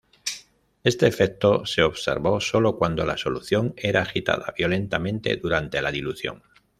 Este efecto se observó sólo cuando la solución era agitada violentamente durante la dilución.